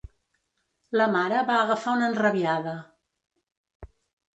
La mare va agafar una enrabiada.